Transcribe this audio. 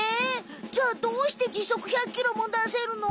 じゃあどうして時速１００キロもだせるの？